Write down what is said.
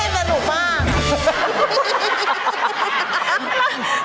สนุกมาก